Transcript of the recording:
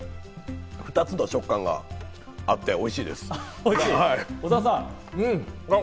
２つの食感があっておいしい小澤さんは？